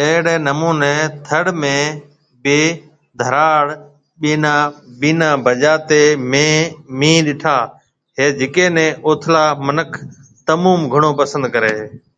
اهڙي نموني ٿڙ ۾ بِي ڌراڙ بينا بجاتي مينهه ڏيٺا هي جڪي ني اوٿلا منک تموم گھڻو پسند ڪري هي